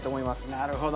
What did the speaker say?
なるほど。